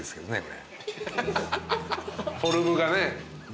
フォームがね。